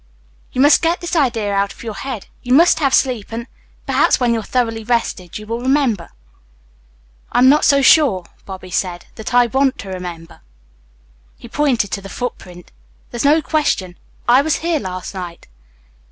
"You must get this idea out of your head. You must have sleep, and, perhaps, when you're thoroughly rested, you will remember." "I'm not so sure," Bobby said, "that I want to remember." He pointed to the footprint. "There's no question. I was here last night."